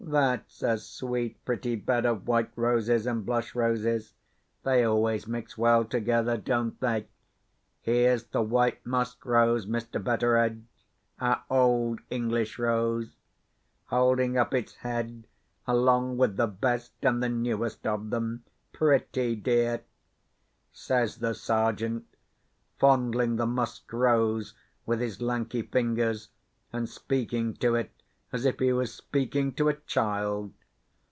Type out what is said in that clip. That's a sweet pretty bed of white roses and blush roses. They always mix well together, don't they? Here's the white musk rose, Mr. Betteredge—our old English rose holding up its head along with the best and the newest of them. Pretty dear!" says the Sergeant, fondling the Musk Rose with his lanky fingers, and speaking to it as if he was speaking to a child.